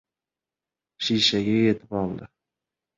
Shishaga yetib oldi.